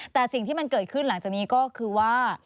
แต่สิ่งที่มันเกิดขึ้นหลังจากนี้ก็คือว่า